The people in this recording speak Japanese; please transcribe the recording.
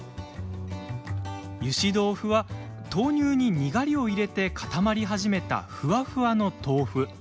ゆし豆腐は豆乳ににがりを入れて固まり始めたふわふわの豆腐。